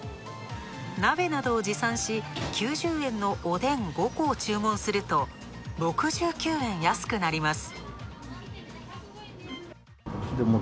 なべなどを持参し９０円のおでん５個注文すると６９円安くなります。